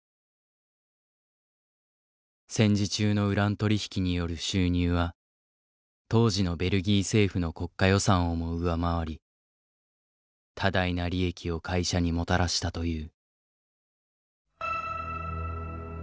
戦時中のウラン取り引きによる収入は当時のベルギー政府の国家予算をも上回り多大な利益を会社にもたらしたという。